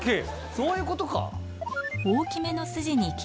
そういうことか。